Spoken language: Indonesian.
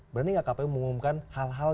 berani nggak kpu mengumumkan hal hal